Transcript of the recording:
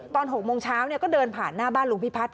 ตอน๖โมงเช้าก็เดินผ่านหน้าบ้านลุงพิพัฒน